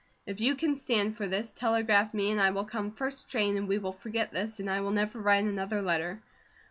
If you can stand for this telagraf me and I will come first train and we will forget this and I will never write another letter.